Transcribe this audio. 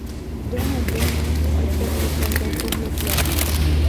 De nombreux noms ont été proposés pour le club.